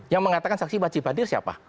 yang mengatakan saksi wajib hadir siapa